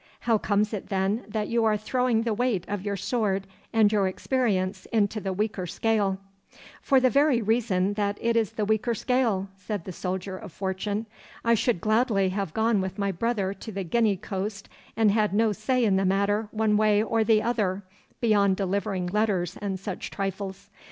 How comes it, then, that you are throwing the weight of your sword and your experience into the weaker scale?' 'For the very reason that it is the weaker scale,' said the soldier of fortune. 'I should gladly have gone with my brother to the Guinea coast and had no say in the matter one way or the other, beyond delivering letters and such trifles.